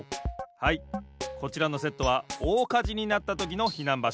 はいこちらのセットはおおかじになったときの避難場所。